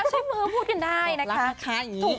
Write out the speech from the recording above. ใช้มือพูดกันได้นะคะ